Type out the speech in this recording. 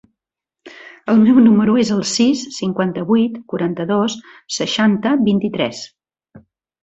El meu número es el sis, cinquanta-vuit, quaranta-dos, seixanta, vint-i-tres.